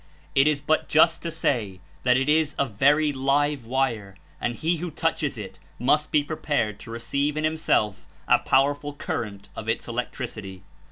It Is but just to say that It Is a very "live wire" and he who touches it must be prepared to receive In himself a powerful current of Its "electricity."